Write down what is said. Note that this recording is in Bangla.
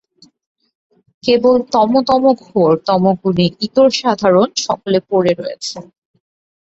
কেবল তমো-তমো-ঘোর তমোগুণে ইতরসাধারণ সকলে পড়ে রয়েছে।